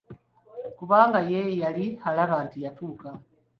Kubanga ye yali alaba nti yatuuka!